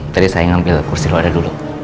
tadi saya ngambil kursi lo ada dulu